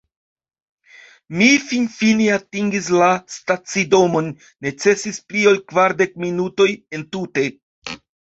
Mi finfine atingis la stacidomon necesis pli ol kvardek minutoj entute